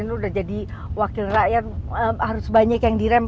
ini udah jadi wakil rakyat harus banyak yang direm